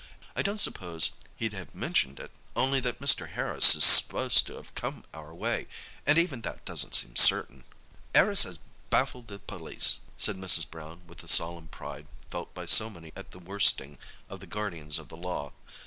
I don't suppose he'd have mentioned it, only that Mr. Harris is supposed to have come our way, and even that doesn't seem certain." "'Arris 'as baffled the police," said Mrs. Brown, with the solemn pride felt by so many at the worsting of the guardians of the law.